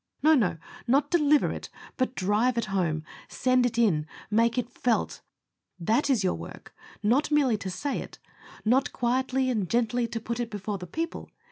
No, no; not deliver it; but drive it home send it in make it felt. That is your work; not merely to say it not quietly and gently to put it before the people.